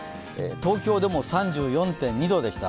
東京でも３４．２度でした。